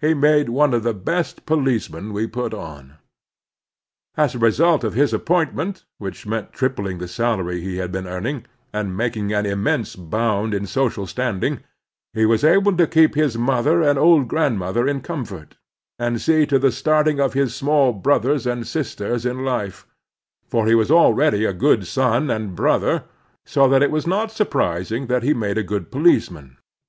He made one of the best policemen we put on. As a result of his appointment, which meant tripling the salary he had been earning, and making an immense botmd in social standing, he was able to keep his mother and old grandmother in comfort, and see to the starting of his small brothers and sisters in life ; for he was already a good son and brother, so that it was not surprising that he made a good policeman.